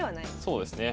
そうですね。